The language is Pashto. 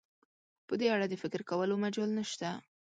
په دې اړه د فکر کولو مجال نشته.